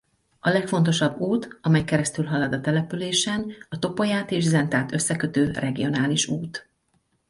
A legfontosabb út amely keresztülhalad a településen a Topolyát és Zentát összekötő regionális út.